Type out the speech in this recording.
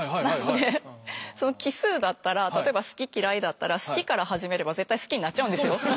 なのでその奇数だったら例えば「好き」「嫌い」だったら「好き」から始めれば絶対「好き」になっちゃうんですよ。